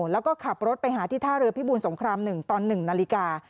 แล้วก็ขับรถไปหาที่ท่าเรือพิบูรสงคราม๑ตอน๑นาฬิกา